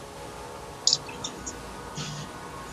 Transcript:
该快速通道在广汉处和成绵高速公路相连接。